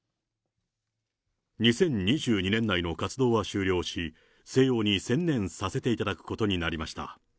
２０２２年内の活動は終了し、静養に専念させていただくことになりました。